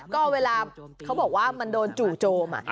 ก็เวลาเขาบอกว่ามันโดนจู่โจม